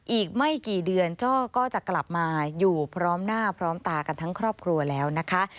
อีกไม่กี่เดือนโจ้ก็จะกลับมาอยู่พร้อมหน้าพร้อมตากันทั้งครอบครัวแล้วนะคะ